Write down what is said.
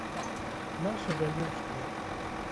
Нас увялі ў склеп.